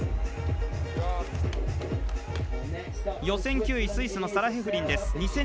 予選９位、スイスのサラ・ヘフリンです。